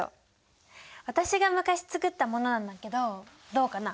私が昔作ったものなんだけどどうかな？